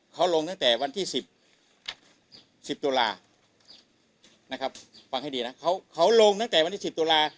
เขาลงตั้งแต่วันที่๑๐ตุลานะครับฟังให้ดีนะเขาลงตั้งแต่วันที่๑๐ตุลา